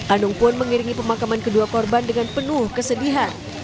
anung pun mengiringi pemakaman kedua korban dengan penuh kesedihan